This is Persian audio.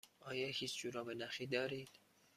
آیا هیچ جوراب نخی دارید؟